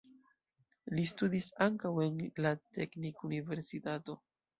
Li studis ankaŭ en la teknikuniversitato.